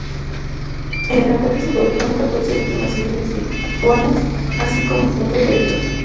En el ataque se produjeron catorce víctimas civiles lituanas, así como cientos de heridos.